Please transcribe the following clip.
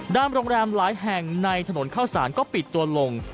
โรงแรมหลายแห่งในถนนเข้าสารก็ปิดตัวลง